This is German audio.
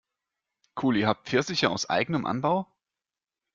Cool, ihr habt Pfirsiche aus eigenem Anbau?